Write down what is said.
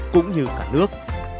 cũng như cả nước